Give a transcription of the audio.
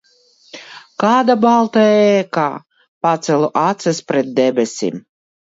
Kāda balta ēka! Paceļu acis pret debesīm.